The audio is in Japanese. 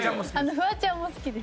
フワちゃんも好きです。